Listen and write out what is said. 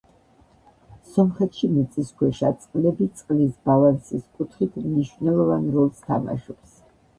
სომხეთში მიწისქვეშა წყლები წყლის ბალანსის კუთხით მნიშვნელოვან როლს თამაშობს.